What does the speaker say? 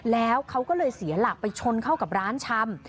แล้วเขาก็เลยเสียหลักไปชนเข้ากับร้านชำ